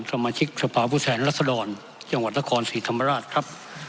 สมาชิกสภาพผู้แทนรัศดรจังหวัดนครศรีธรรมราชครับ